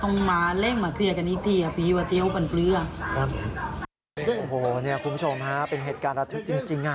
โอ้โหนี่คุณผู้ชมฮะเป็นเหตุการณ์จริงอ่ะ